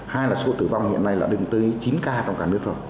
hai là số tử vong hiện nay là đến tới chín ca trong cả nước rồi